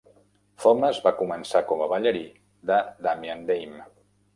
Thomas va començar com a ballarí de Damian Dame.